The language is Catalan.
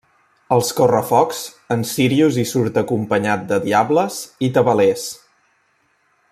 Als correfocs, en Sírius hi surt acompanyat de diables i tabalers.